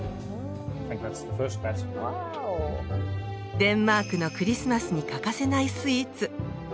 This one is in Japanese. デンマークのクリスマスに欠かせないスイーツ。